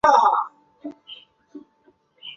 近年经修复转为民用机场。